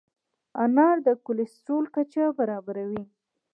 انار د کولیسټرول کچه برابروي.